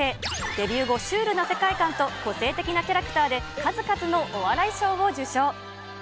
デビュー後、シュールな世界観と個性的なキャラクターで数々のお笑い賞を受賞。